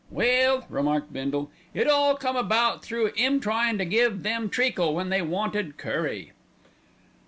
"Well," remarked Bindle, "it all come about through 'im tryin' to give 'em treacle when they wanted curry."